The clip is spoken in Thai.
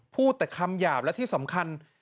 พูดแต่คำหยาบและที่สำคัญ